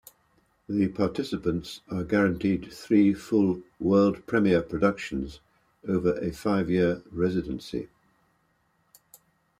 The participants are guaranteed three full world-premiere productions over a five-year residency.